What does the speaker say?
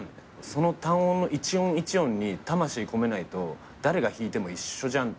「その単音の一音一音に魂込めないと誰が弾いても一緒じゃん」